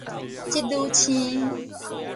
織女星